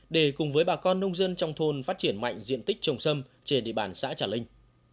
để cùng với bà con nông dân trong thôn phát triển mạnh diện tích trồng sâm trên địa bàn xã trà linh